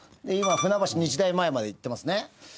今船橋日大前までいってますね。